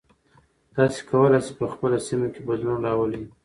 تاسو کولی شئ په خپله سیمه کې بدلون راولئ.